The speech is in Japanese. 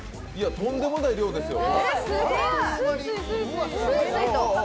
とんでもない量ですよ。